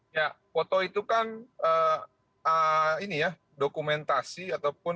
ini bukan dokumentasi ataupun